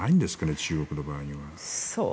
中国の場合は。